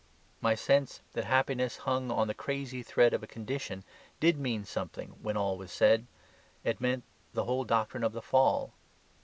My sense that happiness hung on the crazy thread of a condition did mean something when all was said: it meant the whole doctrine of the Fall.